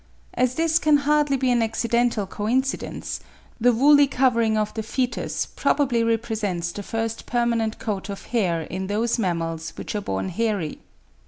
As this can hardly be an accidental coincidence, the woolly covering of the foetus probably represents the first permanent coat of hair in those mammals which are born hairy.